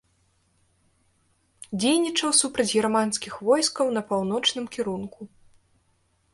Дзейнічаў супраць германскіх войскаў на паўночным кірунку.